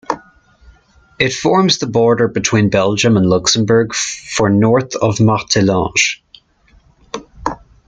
It forms the border between Belgium and Luxembourg for north of Martelange.